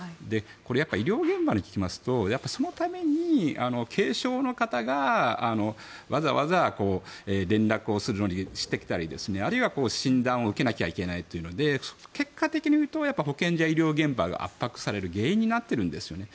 これ、医療現場に聞きますとそのために軽症の方がわざわざ連絡するようにしてきたりあるいは、診断を受けなきゃいけないというので結果的にみると保健所や医療現場が圧迫される原因になっているんですよね。